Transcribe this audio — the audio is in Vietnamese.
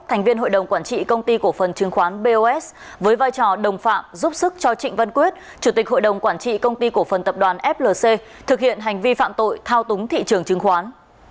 thành viên hội đồng quản trị công ty cổ phần chứng khoán bos với vai trò đồng phạm giúp sức cho trịnh văn quyết chủ tịch hội đồng quản trị công ty cổ phần tập đoàn flc thực hiện hành vi phạm tội thao túng thị trường chứng khoán